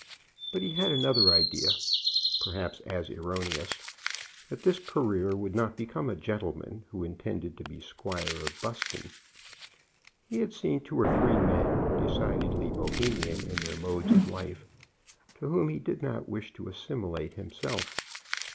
But he had another idea, perhaps as erroneous, that this career would not become a gentleman who intended to be Squire of Buston. He had seen two or three men, decidedly Bohemian in their modes of life, to whom he did not wish to assimilate himself.